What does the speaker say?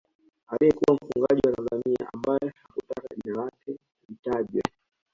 Aliyekuwa mfungwa wa Tanzania ambaye hakutaka jina lake litajwe